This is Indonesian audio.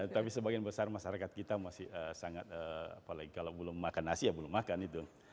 tapi sebagian besar masyarakat kita masih sangat apalagi kalau belum makan nasi ya belum makan itu